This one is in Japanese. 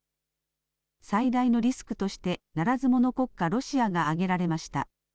最大のリスクとしてならず者国家ロシアが挙げられました。